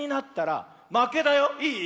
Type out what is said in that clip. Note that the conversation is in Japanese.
いい？